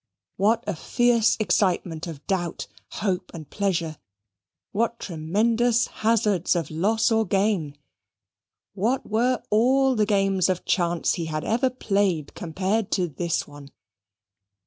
What a fierce excitement of doubt, hope, and pleasure! What tremendous hazards of loss or gain! What were all the games of chance he had ever played compared to this one?